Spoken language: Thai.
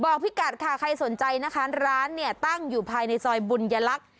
พี่กัดค่ะใครสนใจนะคะร้านเนี่ยตั้งอยู่ภายในซอยบุญยลักษณ์